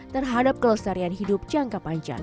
terhadap kelestarian hidup jangka panjang